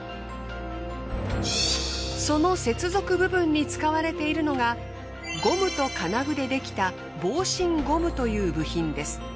その接続部分に使われているのがゴムと金具でできた防振ゴムという部品です。